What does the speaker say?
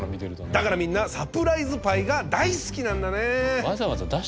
だからみんなサプライズパイが大好きなんだね。